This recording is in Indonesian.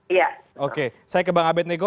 iya oke saya ke bang abed nego